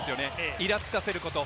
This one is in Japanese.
イラつかせること。